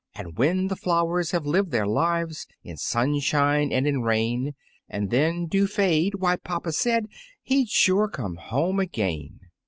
"And when the flowers have lived their lives In sunshine and in rain, And then do fade, why, papa said He'd sure come home again."